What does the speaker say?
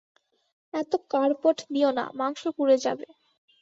এত কার্পট দিয়ো না, মাংস পুড়ে যাবে।